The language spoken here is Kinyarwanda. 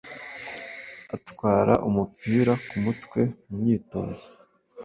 atwara umupira ku mutwe mu myitozo